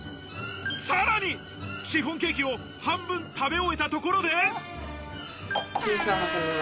さらにシフォンケーキを半分食べ終えたところで。